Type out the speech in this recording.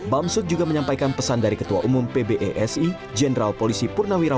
bamsud juga menyampaikan pesan dari ketua umum pbesi jenderal polisi purnawirawan budi gunawan